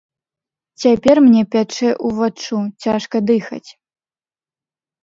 Цяпер мне пячэ ўваччу, цяжка дыхаць.